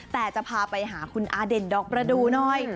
แต่จะพาไปหาคุณอาเด่นดอกประดูหน่อย